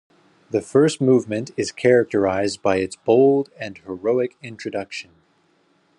The first movement is characterized by its bold and heroic introduction.